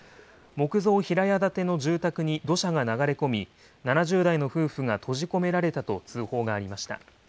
木造平屋建ての住宅に土砂が流れ込み、７０代の夫婦が閉じ込められたと通報がありました。